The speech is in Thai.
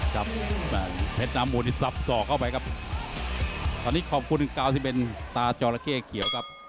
ครับเพชรน้ำมูลที่ซับสอกเข้าไปครับตอนนี้ขอบคุณกาวที่เป็นตาจอระเข้เขียวครับ